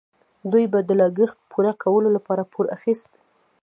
دوی به د لګښت پوره کولو لپاره پور اخیست.